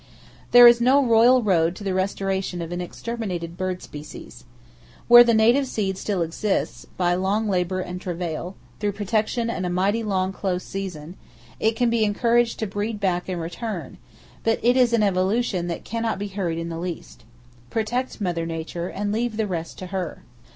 There is no royal road to the restoration of an exterminated bird species. Where the native seed still exists, by long labor and travail, thorough protection and a mighty long close season, it can be encouraged to breed back and return; but it is an evolution that can not be hurried in the least. Protect Nature, and leave the rest to her.